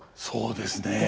そうですね。